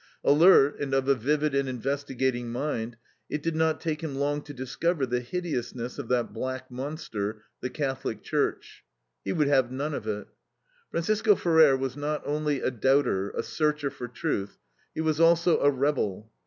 Alert and of a vivid and investigating mind, it did not take him long to discover the hideousness of that black monster, the Catholic Church. He would have none of it. Francisco Ferrer was not only a doubter, a searcher for truth; he was also a rebel.